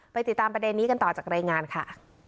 ติดตามประเด็นนี้กันต่อจากรายงานค่ะ